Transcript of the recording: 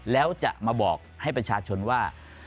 แล้วจะมาบอกให้ประชาชนว่า